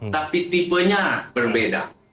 tapi tipenya berbeda